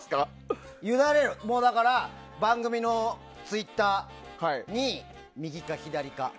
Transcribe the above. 番組のツイッターに右か左か。